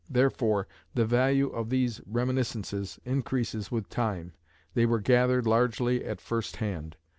Therefore, the value of these reminiscences increases with time. They were gathered largely at first hand.